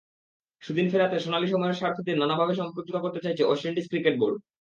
সুদিন ফেরাতে সোনালি সময়ের সারথিদের নানাভাবে সম্পৃক্ত করতে চাইছে ওয়েস্ট ইন্ডিজ ক্রিকেট বোর্ড।